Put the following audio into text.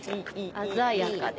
鮮やかで。